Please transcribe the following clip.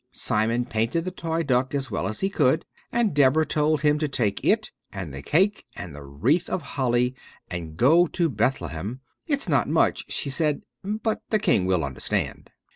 Simon painted the toy duck as well as he could, and Deborah told him to take it and the cake and the wreath of holly and go to Bethlehem. "It's not much," she said, "but the King will understand."